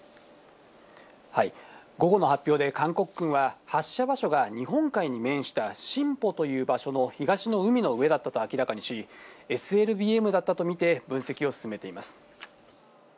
午後の発表で韓国軍は、発射場所が、日本海に面したシンポという場所の東の海の上だったと明らかにし、ＳＬＢＭだったと見て分析を進めています。